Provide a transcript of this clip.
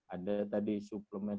ada tadi suplemen